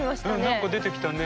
何か出てきたね。